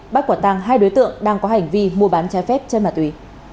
bác quản tăng hai đối tượng đang có hành vi mua bán trái phép trên ma túy